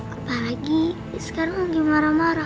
apalagi sekarang lagi marah marah